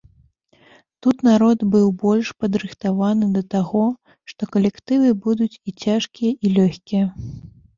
Тут народ быў больш падрыхтаваны да таго, што калектывы будуць і цяжкія, і лёгкія.